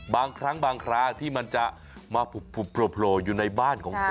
บางครั้งบางคราที่มันจะมาพลบโพลอยู่ในบ้านคน